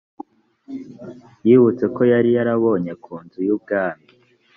yibutse ko yari yarabonye ku nzu y ubwami